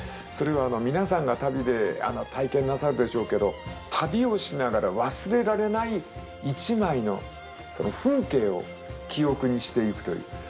それは皆さんが旅で体験なさるでしょうけど旅をしながら忘れられない一枚の風景を記憶にしていくという。